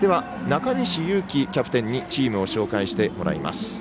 中西祐樹キャプテンにチームを紹介してもらいます。